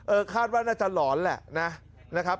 คาดว่าน่าจะหลอนแหละนะครับ